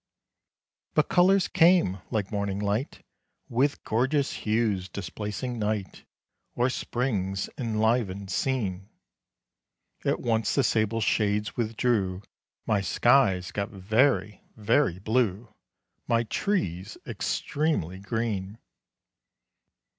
But colors came! like morning light, With gorgeous hues, displacing night, Or Spring's enlivened scene: At once the sable shades withdrew; My skies got very, very blue; My trees extremely green.